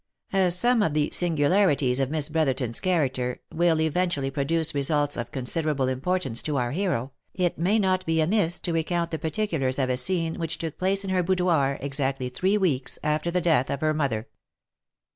As some of the singu larities of Miss Brotherton's character, will eventually produce results of considerable importance to our hero, it may not be amiss to recount the particulars of a scene which took place in her bou doir exactly three weeks after the death of her mother.